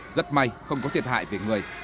rất may không có thiệt hại về người